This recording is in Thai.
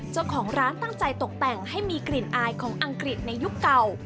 เจ้าของร้านตั้งใจตกแต่งให้มีกลิ่นอายของอังกฤษในยุคเก่า